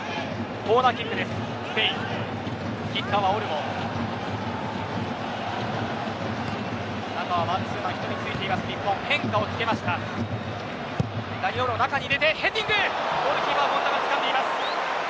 ゴールキーパーの権田つかんでいます。